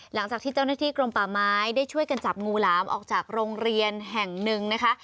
หลังจากที่เจ้าหน้าที่กรมป่าไม้ได้ช่วยกันจับงูหลามออกจากโรงเรียนแห่งหนึ่งนะคะ